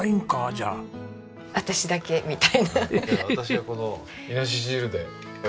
じゃあ私はこのイノシシ汁で。